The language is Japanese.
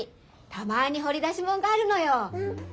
たまに掘り出し物があるのよ。